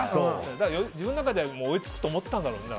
だから自分の中では追いつくと思ったんだろうね。